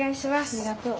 ありがとう。